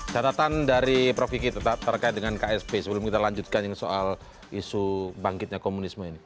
catatan dari prof kiki terkait dengan ksp sebelum kita lanjutkan soal isu bangkitnya komunisme ini